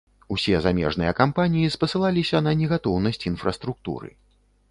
Усе замежныя кампаніі спасылаліся на негатоўнасць інфраструктуры.